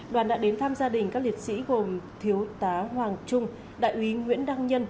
đoàn đã đến thăm gia đình các liệt sĩ gồm thiếu tá hoàng trung đại úy nguyễn đăng nhân